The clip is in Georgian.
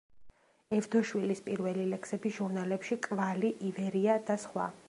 ევდოშვილის პირველი ლექსები ჟურნალებში „კვალი“, „ივერია“ და სხვა.